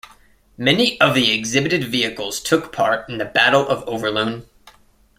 Many of the exhibited vehicles took part in the Battle of Overloon.